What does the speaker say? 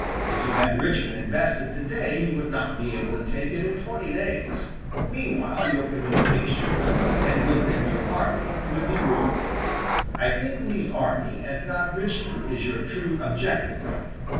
If you had Richmond invested to day, you would not be able to take it in twenty days; meanwhile, your communications, and with them your army, would be ruined. I think Lee's army, and not Richmond, is your true objective point.